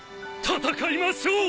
戦いましょう。